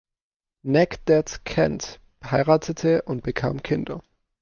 Necdet Kent heiratete und bekam Kinder.